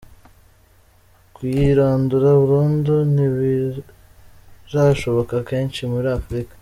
Kuyirandura burundu ntibirashoboka henshi muri Afrika.